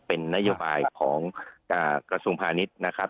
เป็นนโยบายของกระทรวงพาณิชย์นะครับ